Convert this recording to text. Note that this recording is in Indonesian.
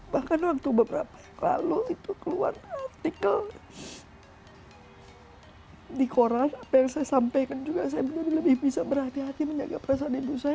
bahkan waktu beberapa lalu itu keluar artikel di koran apa yang saya sampaikan juga saya menjadi lebih bisa berhati hati menjaga perasaan ibu saya